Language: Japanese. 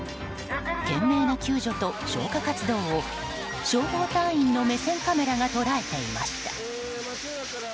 懸命な救助と消火活動を消防隊員の目線カメラが捉えていました。